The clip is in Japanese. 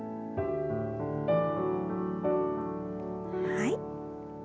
はい。